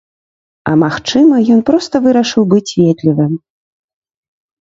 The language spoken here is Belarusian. А магчыма, ён проста вырашыў быць ветлівым.